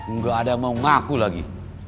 nggak ada yang mau ngaku lagi